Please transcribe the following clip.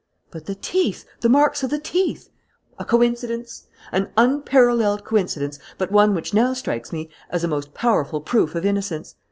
"But the teeth! The marks of the teeth!" "A coincidence! An unparalleled coincidence, but one which now strikes me as a most powerful proof of innocence.